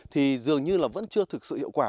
thì dường như là vẫn chưa thực sự hiệu quả